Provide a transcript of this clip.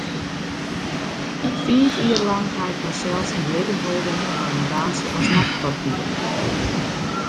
Fiif jier lang ha ik mysels yn libben holden mei in baantsje as nachtportier.